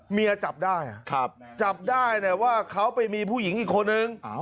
จับได้จับได้ว่าเขาไปมีผู้หญิงอีกคนนึง